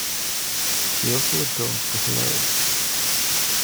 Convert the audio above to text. She also adorned the Hello!